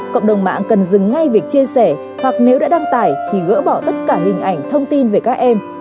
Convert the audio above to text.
cộng đồng mạng cần dừng ngay việc chia sẻ hoặc nếu đã đăng tải thì gỡ bỏ tất cả hình ảnh thông tin về các em